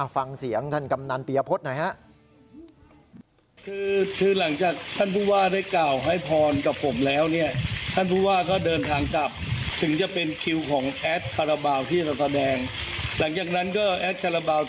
ฟังเสียงท่านกำนานเปียพฤษนะครับ